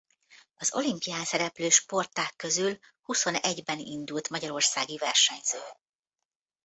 Az olimpián szereplő sportág közül huszonegyben indult magyarországi versenyző.